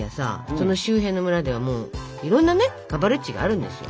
その周辺の村ではもういろんなねカバルッチがあるんですよ。